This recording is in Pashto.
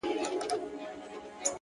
• شیطانانو په تیارو کي شپې کرلي,